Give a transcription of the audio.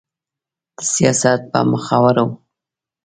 د سياست په مخورو